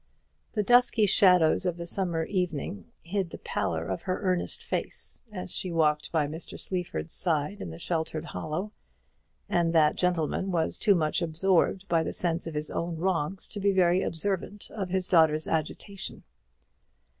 The dusky shadows of the summer evening hid the pallor of her earnest face, as she walked by Mr. Sleaford's side in the sheltered hollow; and that gentleman was too much absorbed by the sense of his own wrongs to be very observant of his daughter's agitation.